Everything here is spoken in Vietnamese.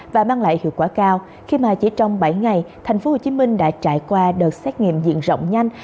và mang lại hiệu quả cao khi mà chỉ trong bảy ngày tp hcm đã trải qua đợt xét nghiệm diện rộng nhanh